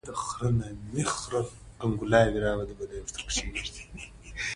افغانستان د اوړي له پلوه متنوع دی.